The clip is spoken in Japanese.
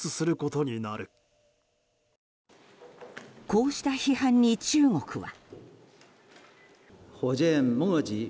こうした批判に中国は。